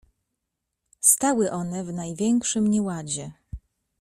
"Stały one w największym nieładzie."